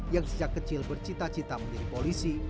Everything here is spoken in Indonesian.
yang sejak kecil bercita cita menjadi polisi